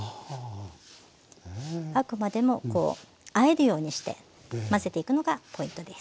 あくまでもあえるようにして混ぜていくのがポイントです。